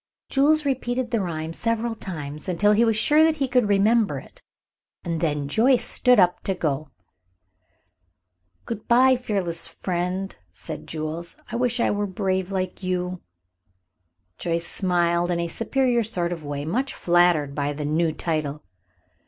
Jules repeated the rhyme several times, until he was sure that he could remember it, and then Joyce stood up to go. "Good by, fearless friend," said Jules. "I wish I were brave like you." Joyce smiled in a superior sort of way, much flattered by the new title.